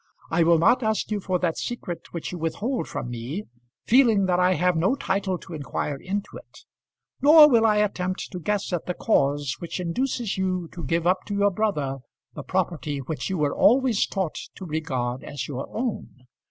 I will not ask you for that secret which you withhold from me, feeling that I have no title to inquire into it; nor will I attempt to guess at the cause which induces you to give up to your brother the property which you were always taught to regard as your own.